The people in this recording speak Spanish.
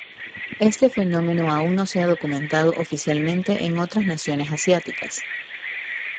Este fenómeno aún no se ha documentado oficialmente en otras naciones asiáticas.